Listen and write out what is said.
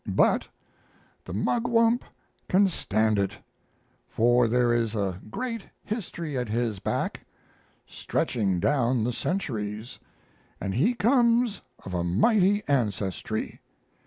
But the Mugwump can stand it, for there is a great history at his back; stretching down the centuries, and he comes of a mighty ancestry.